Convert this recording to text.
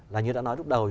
là như đã nói lúc đầu